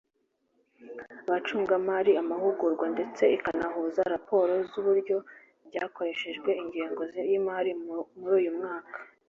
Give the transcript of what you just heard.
Abacungamari amahugurwa ndetse ikanahuza raporo z uburyo byakoresheje ingengo y imari muri uyu mwaka